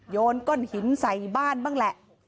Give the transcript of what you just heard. โยนก้อนหินใส่บ้านบ้างแหละ